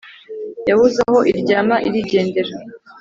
Yabuze aho iryama irigendera